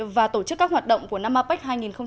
và tổ chức các hoạt động của năm apec hai nghìn một mươi bảy